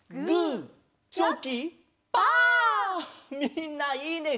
みんないいね！